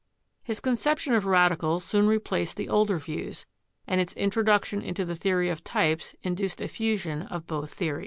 His conception of radicals soon replaced the older views, and its introduction into the theory of types induced a fusion of both theories.